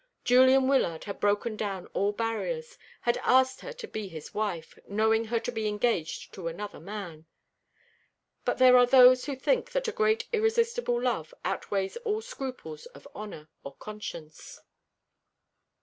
Julian Wyllard had broken down all barriers, had asked her to be his wife, knowing her to be engaged to another man. But there are those who think that a great irresistible love outweighs all scruples of honour or conscience.